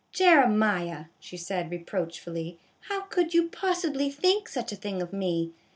" Jeremiah," she said, reproachfully, " how could you possibly think such a thing of me